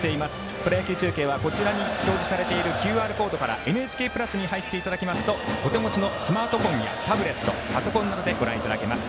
プロ野球中継はこちらに表示されているＱＲコードからＮＨＫプラスに入っていただきますとお手持ちのスマートフォンやタブレット、パソコンなどでご覧いただけます。